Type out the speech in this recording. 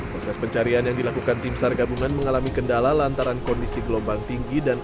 proses pencarian yang dilakukan tim sar gabungan mengalami kendala lantaran kondisi gelombang tinggi dan